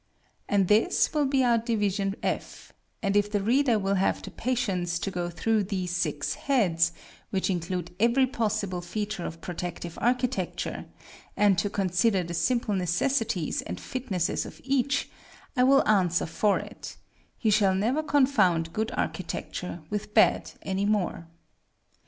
And this will be our division F; and if the reader will have the patience to go through these six heads, which include every possible feature of protective architecture, and to consider the simple necessities and fitnesses of each, I will answer for it, he shall never confound good architecture with bad any more.